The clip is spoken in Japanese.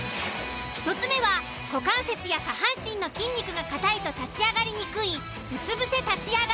１つ目は股関節や下半身の筋肉が硬いと立ち上がりにくい。